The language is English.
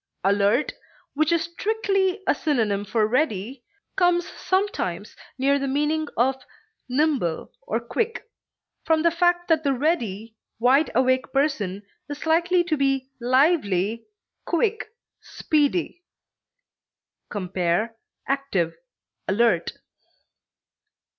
Alert, which is strictly a synonym for ready, comes sometimes near the meaning of nimble or quick, from the fact that the ready, wide awake person is likely to be lively, quick, speedy. Compare ACTIVE; ALERT.